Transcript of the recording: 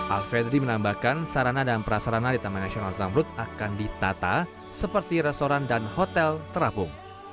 alfedri menambahkan sarana dan prasarana di taman nasional zamrut akan ditata seperti restoran dan hotel terapung